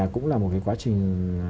cũng là một quá trình